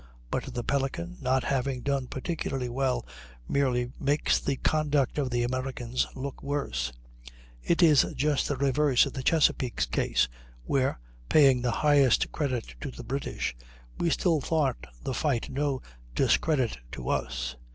But the Pelican's not having done particularly well merely makes the conduct of the Americans look worse; it is just the reverse of the Chesapeake's case, where, paying the highest credit to the British, we still thought the fight no discredit to us.